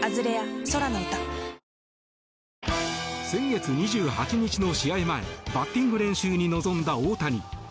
先月２８日の試合前バッティング練習に臨んだ大谷。